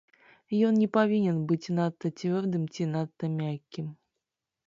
Ён не павінен быць надта цвёрдым ці надта мяккім.